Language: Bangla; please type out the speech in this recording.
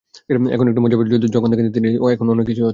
এখন একটু মজাই পান, যখন দেখেন তিনি চেয়েছিলেন, এমন অনেক কিছুই হচ্ছে।